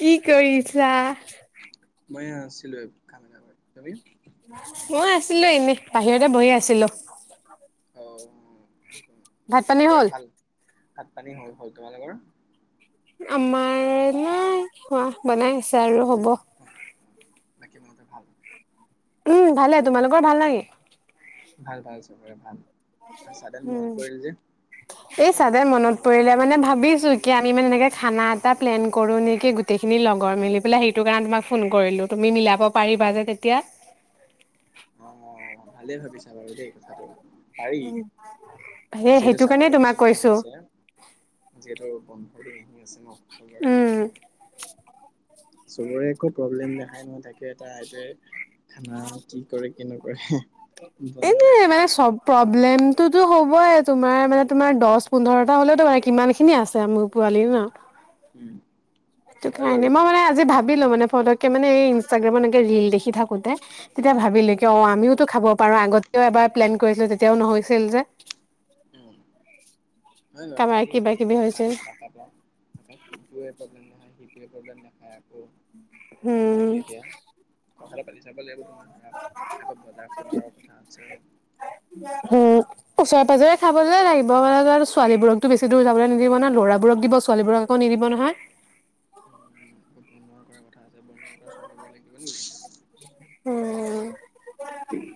কি কৰিছা? মই এয়া আছিলো, এই কাম এটা কৰি, তুমি? মই আছিলো এনে, বাহিৰতে বহি আছিলো। অ, ভাত পানী চবৰে হ'ল? ভাল? ভাত পানী হ'ল? হ'ল, তোমালোকৰ? আমাৰ নাই হোৱা, বনাই আছে আৰু হ'ব। হয়, বাকী মাহঁতৰ ভাল? উম, ভালে তোমালোকৰ ভাল নে কি? ভাল ভাল চবৰে ভাল, আজি চাডেন উম। মনত পৰিল যে। এই চাদেন মনত পৰিলে মানে ভাবিছো, কি আমি মানে এনেকে খানা এটা প্লেন কৰো নেকি গো গোটেইখিনি লগৰ মিলি পেলাই সেইটো কাৰণে তোমাক ফোন কৰিলোঁ তুমি মিলাব পাৰিবা যে তেতিয়া। অ, ভালেই ভাবিছা। বাৰু দেই কথাটো পাৰি, সেই যিহেতু সেইটো কাৰণে চামাৰ তোমাক ভেকেচনো আহি কৈছো। আছে। যিহেতু বন্ধৰ দিন আহি আছে ন। চবৰে উম। চবৰে একো প্ৰব্লেম দেখাই নহয় থাকে এটা সেইটোয়ে। খানা কি কৰে কি নকৰে এই বনোৱা মানে কৰা। চব প্ৰব্লেমটোতো হ'বই তোমাৰ মানে তোমাৰ দহ পোন্ধৰটা হ'লেওতো কিমানখিনি আছে পোৱালি ন। উম। ত' হয় বাৰু কাৰণে মই মানে আজি ভাবিলো মানে ফটকে মানে এই ইনষ্টাগ্ৰামত এনেকে ৰিল দেখি থাকোতে। তেতিয়া ভাবিলো কিয় অ' আমিওতো খাব পাৰো আগতেও এবাৰ প্লেন কৰিছিলো তেতিয়াও নহৈছিল যে। উম, নহয় বাৰু কাবাৰ পাৰি কিবা এতিয়া কিবি এনেকে হৈছিল খানা এটা। [unintelligible] আকৌ ইটোৱে প্ৰব্লেম নাখায় সেইটোৱে প্ৰব্লেম নাখায় আকৌ। উম সেইবিলাকেহে এতিয়া। কথাটো পাতি চাব লাগিব তোমাৰ ধৰা আকৌ বজাৰ সমাৰৰ কথা আছে। হম। ওচৰে পাজৰে খাবলৈ লাগিব মানে ছোৱালীবোৰকতো বেছি দূৰ যাবলৈ নিদিব নে ল'ৰাবোৰক দিব ছোৱালীবোৰক আকৌ নিদিব নহয়। উম, বনোৱা কৰা কথা আছে বনোৱা কৰা ছোৱালীবোৰে লাগিব লাগিব। উম,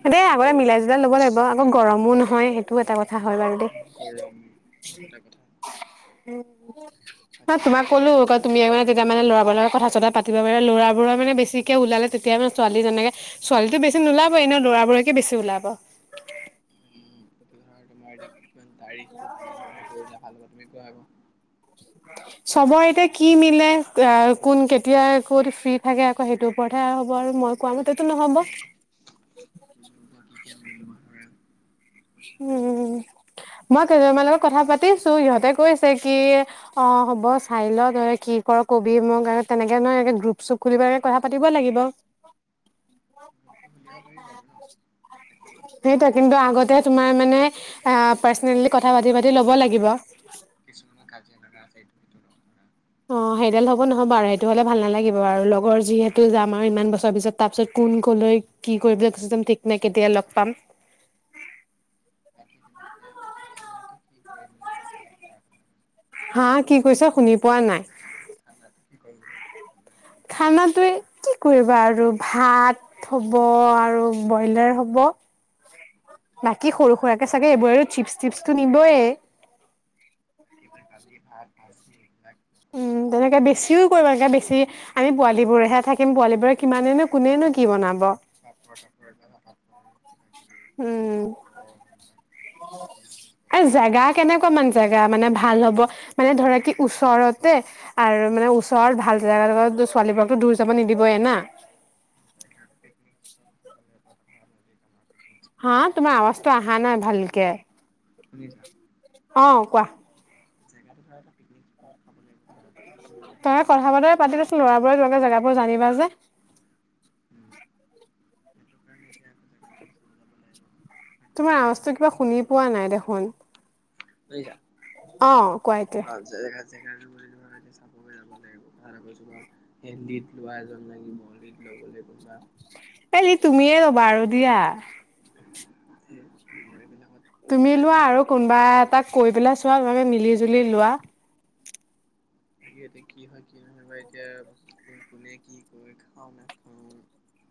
সেইটোৱে বনোৱা কৰা আগতে যদি মিলাই চলো জোলাই ল'ব লাগিব আকৌ গৰমো নহয়। সেইটো এটা কথা হয় বাৰু দেই। গৰম সেইটো এটা কথা। উম, মই বাকী এতিয়া তোমাক ক'লো ডেটটো আকৌ তুমি কেনেকুৱা? তেতিয়া মানে ল'ৰাবোৰৰ লগত কথাত পাতিবা মানে ল'ৰাবোৰৰ মানে বেছিকৈ ওলালে তেতিয়া মানে ছোৱালী তেনেকে ছোৱালীটো বেছি নোলাব এনেও ল'ৰাবোৰকে বেছি ওলাব। উম, ধৰা তোমাৰ তাৰিখটো কেনেধৰণে কৰিলে ভাল হ'ব তুমি কোৱা আকৌ। [inaudible] চবৰ এতিয়া কি মিলে অ' কোন কেতিয়া ক'ত ফ্ৰী থাকে আকৌ সেইটোৰ ওপৰতহে হ'ব আৰু মই কোৱা মতেতো নহ'ব। কিন্তু বাকীকে মিলোৱা হয়। উম। মই আকৌ কেইজনীমানৰ লগত কথা পাতিছোঁ সিহঁতে কৈছে কি অ', হ'ব চাই ল তই কি কৰ কবি মোক আৰু তেনেকে নহয়ে গ্ৰুপ চুপ খুলিব পেলায় কথা পাতিব লাগিব। [inaudible] খুলিব পাৰি বাৰু ন বাকী। সেইটোৱে কিন্তু আগতে তোমাৰ মানে আ পাৰ্চনেলি কথা পাতি পাতি ল'ব লাগিব। কিছুমানে কাজিয়া লগা আছে এইটো ধৰা অ', সেইডাল হ'ব নহ'ব আৰু সেইটো হ'লে ভাল নালাগিব আৰু লগৰ যিহেতু যাম আৰু ইমান বছৰৰ পিছত। তাৰপিছত কোন ক'লৈ কি কৰিবলৈ গুচি যাম ঠিক নাই কেতিয়া লগ পাম। বাকী তুমি এতিয়া খানাটো কি কৰিম বুলি ভাবিছা? হা কি কৈছা শুনি পোৱা নাই? খানাটো কি কৰিম বুলি ভাবিছা? খানা বনা খানাটোৱে কি কৰিবা আৰু ভাত। হ'ব আৰু ব্ৰইলাৰ হ'ব। বাকী সৰু ভাত সুৰাকে দালি চাগে এইবোৰ চিপচ চিপচটো নিবয়ে। [inaudible] উম, ন তেনেকে বেছিও কৰিব লাগে বেছি আমি পোৱালীবোৰেহে থাকিম পোৱালিবোৰে কিমানেনো কোনেনো কি বনাব। [unintelligible] কিবা কিবি উম। আকৌ এইবিলাক চিজ তিজ এ পকৰা চকৰা জোগা, এইবিলাক কেনেকুৱা মান জেগা, মানে ভাল হ'ব, মানে ধৰা কি ওচৰতে। আৰু মানে ওচৰত ভাল জেগা লগত, ছোৱালীবোৰকতো দূৰ যাব নিদিবই না। [inaudible] [inaudible] স্পট হা, এটা ভাল তোমাৰ জেগা আৱাজটো অহা নাই ভালকে। শুনিছা। অ', কোৱা। জেগাটো পিকনিক স্পতট খাব লাগিব। ধৰা কাৰণ নদী তে থকা ধৰা কথা-বতৰা পাতিবাচুন, ল'ৰাবোৰে তোমালোকে জেগাবোৰ জানিবা যে। উম সেইটো কাৰণে, এতিয়া আকৌ বিচাৰিব যাব লাগিব। আকৌ তোমাৰ গাড়ী আৱাজটো খৰচ কিবা কৰিব শুনি নালাগে পোৱা নাই দেখোন, বুজিছা অ'। কোৱা এতিয়া [unintelligible] [unintelligible] এ লিড তুমিয়ে ল'বা আৰু দিয়া। [unintelligible] তুমি লোৱা, না আৰু কোনোবা এটা কৈ পেলাই চোৱা, তোমালোকে মিলি-জুলি লোৱা। তাকে এতিয়া, কি হয়, কি নহয়, বা এতিয়া কোনে কি কয় খাওঁ, নাখাওঁ।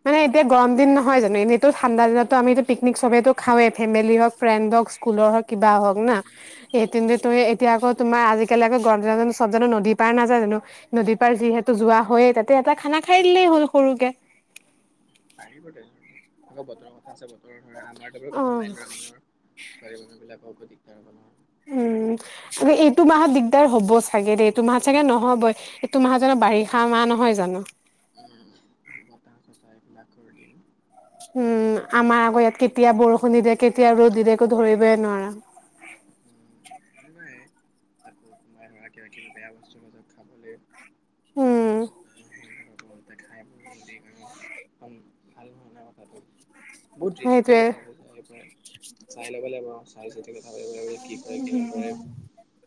মানে এতিয়া গৰম দিন নহয় জানো, এনেটো ঠাণ্ডা দিনতো আমি এটা পিকনিক সবেইে খাওৱে, ফেমিলি হওক ফ্ৰেণ্ড হওক। স্কুলৰ হওক, উম কিবা হওক না। উম [unintelligible] তুমি এতিয়া আকৌ, তোমাৰ আজিকালি আকৌ গৰম দিনত জানোঁ চব জানোঁ নদীৰ পাৰ নাযায় জানো। নদীৰ পাৰ উম যিহেতু যোৱা হয়ে, তাতে এটা খানা খাই দিলেই হ'ল সৰুকে। পাৰি বাৰুতে, আকৌ বতৰৰ কথা আছে, বতৰৰ ধৰা, আমাৰটো বাৰু অ কথা নাই ল'ৰা মানুহৰ। ছোৱালী মানুহ বিলাকৰ আকৌ দিগদাৰ হ'ব নহয়। উম, এইটো মাহত দিগদাৰ হ'ব চাগে দে, এইটো মাহত চাগে নহ'বই। এইটো মাহ জানো, বাৰিষা মাহ নহয় জানো। উম, বতাহ-চতাহ [unintelligible] উম, আমাৰ আকৌ, ইয়াত কেতিয়া বৰষুণ দি দিয়ে, কেতিয়া ৰ'দ দি দিয়ে, একো ধৰিবই নোৱাৰো। [unintelligible] [unintelligible] ধৰা, কিবা-কিবি, বেয়া বস্তুৰ মাজত খাবলৈ উম। তেনেকুৱা [unintelligible] ভাল হোৱা নাই কথাটো। বহুত ৰিস্কৰ সেইটোৱে কথা হৈ যায় সেইপাৰ, চাই ল'ব লাগিব অহা বছৰ। [unintelligible] কি কৰে কি নকৰে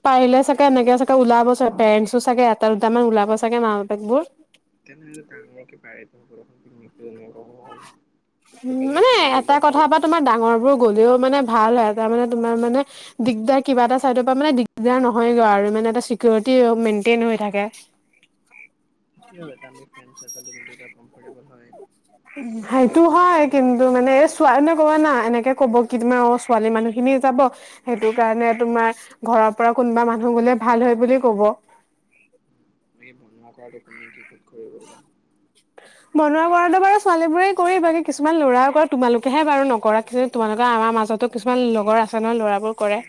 পাৰিলে চাগে, এনেকে চাগে, ওলাব চাগে, পেৰেঞ্চো চাগে এটা, দুটামান ওলাব চাগে, মাক-বাপেকবোৰ। [unintelligible] উম, অকলে মানে ফ্ৰেণ্ড লৈ এটা গ'লে কথা পা খাব তোমাৰ ডাঙৰ বোৰ গ'লেও মানে ভাল হয়, এটা মানে তোমাৰ মানে দিগদাৰ, কিবা এটা চাইডৰ পৰা মানে দিগদাৰ নহয়গৈ আৰু, মানে এটা চিকিউৰিটি মেইনটেইন হৈ থাকে। কিয় এটা আমি ফ্ৰেণ্ড চাৰ্কোল তো যদি কমফৰ্টেবল হয়। সেইটো নিচিনা হেৰি হয়, নহয়। কিন [unintelligible] এনেকে ক'ব কি তুমি অ', ছোৱালী মানুহ খিনি যাব। সেইটোকাৰণে, তোমাৰ ঘৰৰ পৰা কোনোবা মানুহ গলে ভাল হয় বুলি কব। এই বনোৱা কৰাটো কোনে কি ক'ত কৰিব বা? [inaudible] বনোৱা কৰাটো বাৰু ছোৱালীবোৰেই কৰেই, বাকী কিছুমান ল'ৰাই কৰা তোমালোকেহে বাৰু নকৰা তোমালোকে আমাৰ মাজতো কিছুমান লগৰ আছে নহয় ল'ৰাবোৰ কৰে।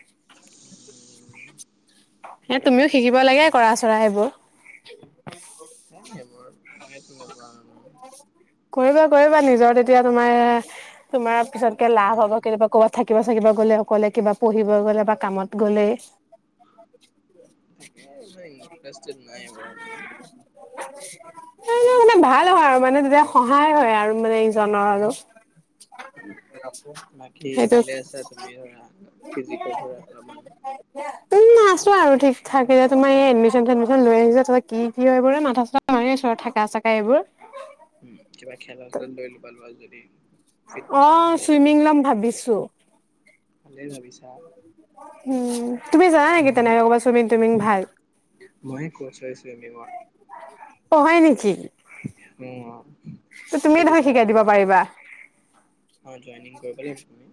এ তুমিও শিকিব লাগে কৰা সেয়াই চৰা সেইবোৰ। এইবোৰ এ তেনেকুৱা মানুহ কৰিবা কৰিবা, নিজৰ তেতিয়া তোমাৰ তোমাৰ পিছতকে লাভ হ'ব। কেতিয়াবা ক'ৰবাত থাকিব-চাকিব গ'লে, অকলে কিবা পঢ়িব গ'লে বা কামত গ'লে। [unintelligible] থিকে ইমান ইণ্টাৰেষ্টিড নাই বাৰু ইমান। [unintelligible] এ ভাল হয় আৰু মানে তেতিয়া সহায় হয় আৰু মানে ইজনৰ আৰু। বাকী সেইটো ভালে আছা তুমি? ধৰা ফিজিকৰ ধৰা অলপমান। [unintelligible] উম। উম আছোঁ আৰু ঠিক থাকে। তোমাৰ এই এডমিছন-থেডমিছন লৈ আহিছে। তোমাৰ কি কি বা এইবোৰে এ মাথা-চাথা মাৰি আছোঁ আৰু থাক কা চাকা এইবোৰ। উম, কিবা খেলা ধুলাত লৈ ল'বা, লোৱা যদি। ফিটনেচটো ভাল থাকিব কাৰণে। ভাবিছোঁ। ভালেই ভাবিছা। উম, তুমি জানা নেকি তেনেকে ক'ৰবাত চুইমিং-তুইমিং ভাল? মই কোচ হয়, চুইমিংৰ। অ', হয় নেকি? উম অঁ ত' যদি তুমিয়ে দেখোন বিচাৰা, শিকাই দিব মই পাৰিবা। তোমাক হয়, জয়েনিং কৰিব লাগিব তুমি।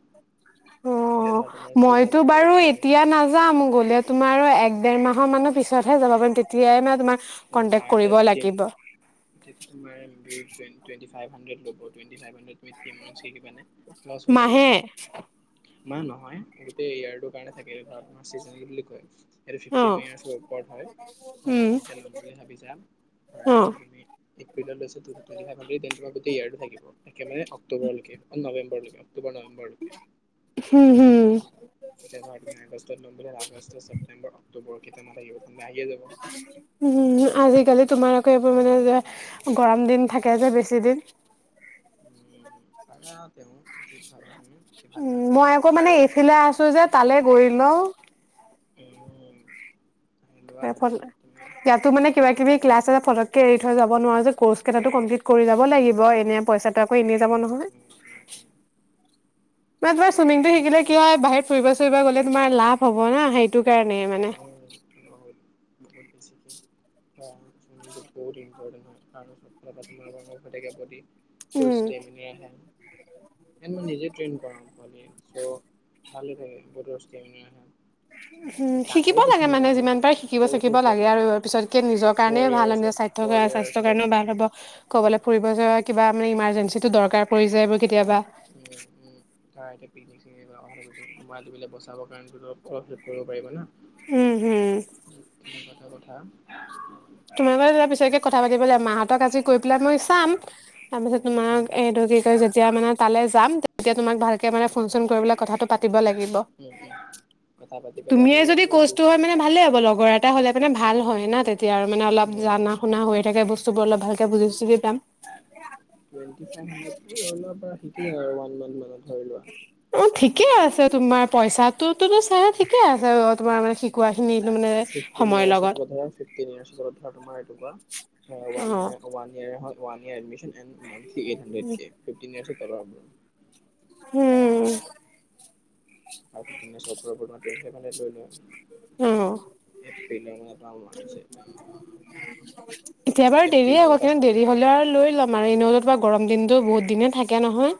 ধৰা অঁহ, তোমাৰ মইতো ছিজনেল বাৰু ৱাইজ থাকে এতিয়া নাযাম, গ'লে তোমাৰো আৰু এক-ডেৰ মাহৰ মানত পিছতহে যাব পাৰিম। তেতিয়াই মানে তোমাক কণ্টেক্ট কৰিব লাগিব। ঠিক, তোমাৰ বি টুৱেন, টুৱেণ্টি-ফাইভ হাণ্ড্ৰেড ল'ব। টুৱেণ্টি-ফাইভ হাণ্ড্ৰেড তুমি থ্ৰী মান্থচ শিকিবানে? লচ হৈ যাব। মাহে এমাহ নহয়, গোটেই ইয়াৰটোৰ কাৰণে থাকে ঘৰত তোমাৰ চিজনেল বুলি কয়। এইটো অ', ফিফটিন ইয়াৰ্চ উপৰত হয়, ধৰা উম, তুমি এতিয়া ল'ম বুলি ভাবিছা, ধৰা অ', এতিয়া তুমি এপ্ৰিলত লৈছ- ত', two, twenty five hundred ten, কিবা গোটেই ইয়াৰটো থাকিব, একেবাৰে অক্টোবৰ লৈকে অহ' নৱেম্বৰ লৈকে। অক্টোবৰ নৱেম্বৰ লৈকে। হম, হম। এতিয়া ধৰা তুমি, আগষ্টত লম বুলি, আগষ্ট, ছেপ্টেম্বৰ, অক্টোবৰ- কেইটা মাহ থাকিব? খন বাহিয়ে যাব। উম, আজিকালি তোমাৰ একে এইবোৰ মানে যে গৰম দিন থাকে যে বেছি দিন উম, মানে আও তেওঁ যি ভাবা তুমি। যি ভাল উম, পাবা মানে মই আকৌ মানে আৰু এইফিলে আছোঁ যে, তালে গৈ লওঁ। উম। লোৱাজনী এইফালে, তুমি ইয়াত ত', মানে কিবা-কিবি ক্লাছ আছে। পতককে এৰি থৈ যাব নোৱাৰো যে, কোৰ্চ কেইটাটো কমপ্লিট কৰি যাব লাগিব। এনে পইচা ত', আকৌ এনেই যাব উম নহয়। উম উম উম মানে তোমাৰ চুইমিংটো এতিয়া শিকিলে কি হয়, বাহিৰত ফুৰিব-চুৰিব গ'লে তোমাৰ লাভ হ'ব না, সেইটো কাৰণে। মানে উম, বহুত বহুত বেছিকে হয়, চুইমিংটো বহুত ইম পৰটেন্ট হয়। আৰু চবফালৰ পৰা [unintelligible] [unintelligible] [unintelligible] বডি ফুল উম ষ্টেমিনা আহে। ইয়াত মই নিজে ট্ৰেইন কৰাম, মানে চ' ভালে থাকে বডৰ ষ্টেমিনা আহে। উম হম, শিকিব কান্দেও লাগে কিছুমানে মানে সৰু যিমান সৰু পাৰে, সৰু শিকিব-চিকিব সৰু লাগে পোৱালি আৰু। পিছতকে নিজৰ কাৰণে ফ'ৰ ভাল এনেও ইয়াৰ্চৰ চাই থ ফ'ৰ কাৰ, স্বাস্থ্য ইয়াৰ্চৰ কাৰণেও ভাল পোৱালি হ'ব। ক'বলে ফুৰিব যোৱা, কিবা আমি ইমাৰ্জেন্সীটো দৰকাৰ পৰি যাব কেতিয়াবা। উম, উম। তাৰ [unintelligible] বচাব কাৰণেটো অলপ হেল্প কৰিব পাৰিব না। উম, হুম। উম, তেনেকুৱা এটা কথা। তোমাৰ বাৰু তেতিয়া পিছতকে কথা পাতিবলে মাহঁতক আজি কৈ পেলাই মই চাম। তাৰপিছত তোমাক উম, এইটো কি কয় যে তিয়া মানে তালে যাম তেতিয়া তোমাক ভালকে মানে ফোন-চোন কৰিবলে কথাটো পাতিব লা গিব, উম, উম, কথা পাতি পেলাই আমি তুমিয়ে যদি জনাবা কি কষ্ট হয় মানে ভালে হ'ব, লগৰ এটা হ'লে মানে ভাল হয় না তে মানে অলপ জানা শুনা হৈ থাকে বস্তুবোৰ অলপ ভালকে বুজি - চুজি পাম। টুৱেণ্টি ফাইভ হানড্ৰেড [unintelligible] অলপ পৰা শিকিলে আৰু ওৱান মান্থ মানত। ধৰি লোৱা। উম ঠিকে আছে, তোমাৰ পইচাটো তোৰটো চাই ঠিকে আছে অ তোমাৰ মানে শি ফিফটিন ইয়াৰ্ছ এইটো তোমাৰ ধৰা, ফিফটিন ইয়াৰ্ছ ধৰা তোমাৰ তোমাৰ এনেকুৱা। হয় ওৱান অ ইয়েৰ, ওৱান ইয়াৰে হয় one year admission and monthly eight hundred কে, ফিফটিনছ ইয়াৰছৰ তলৰ আপোনাৰ। উম। আগদিনা [unintelligible] লৈ লোৱা। অ এই পিলামৰ পৰা উলাও যে। কেতিয়াবা এপ্ৰিল দেৰিয়ে মানৰ পৰা হয়গে, ষ্টাৰ্টিং দেৰি হ'লে আৰু লৈ ল'ম আৰু এনেও অলপ কিবা গৰম দিনটো বহুত দিনেই থাকে নহয়।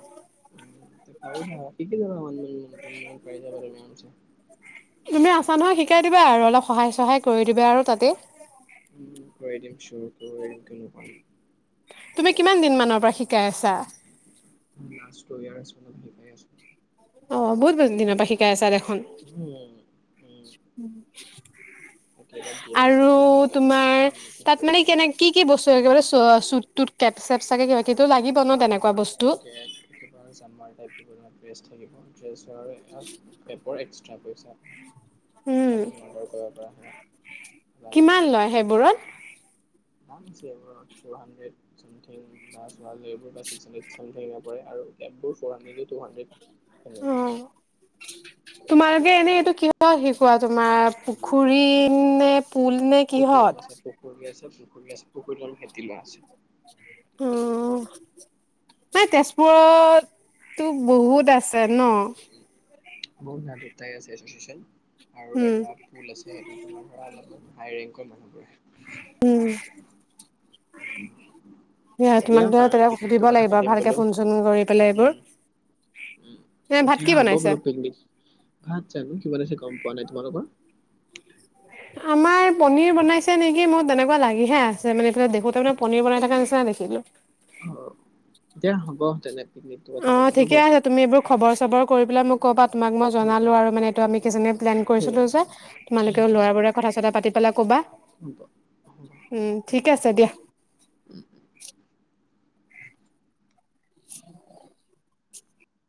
পাৰিবা, ইটো অনলাইনত [unintelligible] পাই যাবা তুমি আৰামচে। তুমি আছা নহয়, শিকাই দিবা আৰু অলপ সহায় - চহায় কৰি দিবা আৰু তাতে। উম কৰি দিম চিয়ৰ [unintelligible] তুমি কিমান দিনমানৰ পৰা শিকাই আছা? নাচ কৰি আৰু আছোঁ মই শিকাই আছোঁ। অ, বহুত বহুত দিনৰ পৰা শিকাই আছা দেখোন। উম উম। এতিয়াবা কি হৈছে, আৰু কি মতামত তোমাৰ লৈছে আমি তাত মানে কেনে [unintelligible] কি কি বস্তু একেবাৰে চু অ চুট - তুট কেপ - চেপ চাগে কিবা কিবিটো লাগিব ন তেনেকুৱা বস্তু? কেক কিবা জামাৰ এপ থাকিব, ড্ৰেছ থাকিব, ড্ৰেছৰ এছ এপৰ এক্সট্ৰা পইচা। [inaudible] উম আজি মোৰ অৰ্ডাৰ কৰাৰ পৰা অহা নাই। কিমান লয় সেইবোৰত? One [unintelligible] four hundred. ছামথিং বা ছোৱালী এইবোৰ বা ছিক্স হাণ্ড্ৰেড ছামথিঙত পৰে আৰু কেপবোৰ ফ'ৰ হাণ্ড্ৰেড, টু হাণ্ড্ৰেড। অ এনেকুৱা। [inaudible] তোমালোকে এনেই এইটো কিহৰ শিকোৱা তোমাৰ পুখুৰী নে পুল নে কিহত পুখুৰী আছে, পুখুৰী আছে, পুখুৰী আছে, পুখুৰী হ'ল খেতি লাষ্ট। উম নাই তেজপুৰতটো বহুত আছে ন? উম, বহুত না দুটাই আছে [unintelligible] আৰু উম এটা পুল আছে সেইটো তোমাৰ ধৰা অলপমান হাই ৰেংকৰ মানুহবোৰে উম। [unintelligible] যিমান ধৰা পাৰা তেতিয়া সুধিব পিকনিকটো কথা লাগিব পাতিম ভালকে বোলো, ফোন চোন কৰি পেলাই এইবোৰ উম। এ উম। ভাত এতিয়া কি হ'ব বনাইছে বোলোঁ পিকনিক, ভাত জানো কি বনাইছে গম পোৱা নাই। তোমালোকৰ? আমাৰ পনীৰ বনাইছে নেকি, মোৰ তেনেকুৱা লাগিহে আছে মানে মই দেখোতে মানে পনীৰ বনাই থকা নিচিনা দেখিলোঁ। অ' দিয়া হ'ব তেনে। পিকনিকটো কথা অ' পাতিম ন ঠিকে বছ আছে তুমি এইবোৰ খবৰ-চবৰ কৰি পেলাই মোক ক'বা তোমাক মই উম উম জনালোঁ আৰু মানে এইটো আমি কেইজনীয়ে প্লেন ঠিক কৰিছিলোঁ আছে যে, ঠিক তোমালোকেও আছে ল'ৰাবোৰে কথা-চথা পাতি পেলাই ক'বা। হ'ব, হ'ব। ঠিকে আছে দিয়া। [unintelligible]